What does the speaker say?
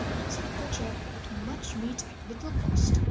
So the butcher got much meat at little cost.